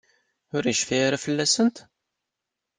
Ur yecfi ara fell-asent?